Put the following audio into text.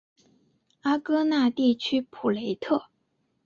阿戈讷地区普雷特。